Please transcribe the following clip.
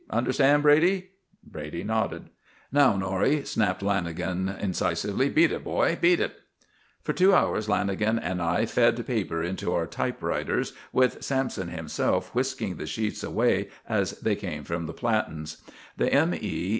Understand, Brady?" Brady nodded. "Now, Norrie," snapped Lanagan incisively, "beat it, boy, beat it!" For two hours Lanagan and I fed paper into our typewriters, with Sampson himself whisking the sheets away as they came from the platens. The M. E.